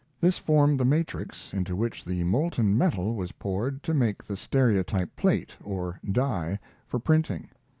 This formed the matrix into which the molten metal was poured to make the stereotype plate, or die, for printing.